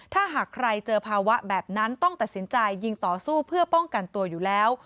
ถ้าหากใครเจอภาวะแบบนั้นต้องตัดสินใจยิงต่อสู้เพื่อป้องกันตัวอยู่แล้ว